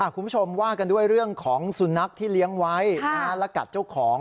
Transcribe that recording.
คุณผู้ชมว่ากันด้วยเรื่องของสุนัขที่เลี้ยงไว้และกัดเจ้าของ